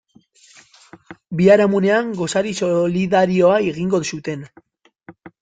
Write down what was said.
Biharamunean gosari solidarioa egingo zuten.